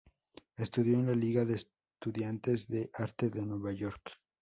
Estudió en la Liga de Estudiantes de Arte de Nueva York.